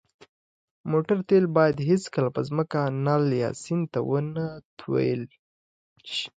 د موټر تېل باید هېڅکله په ځمکه، نل، یا سیند ته ونهتوېل ش